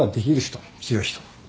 強い人。